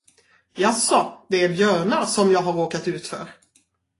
Jaså, det är björnar, som jag har råkat ut för.